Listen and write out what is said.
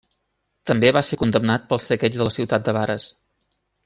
També va ser condemnat pel saqueig de la ciutat de Vares.